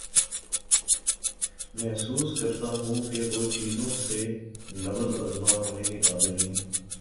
محسوس کرتا ہوں کہ میں چیزوں سے نبرد آزما ہونے کے قابل نہی